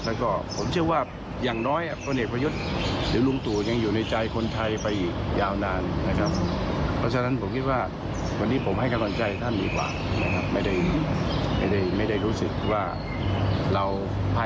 แล้วก็ผมเชื่อว่าอย่างน้อยพลเอกประยุทธ์หรือลุงตู่ยังอยู่ในใจคนไทยไปอีกยาวนานนะครับ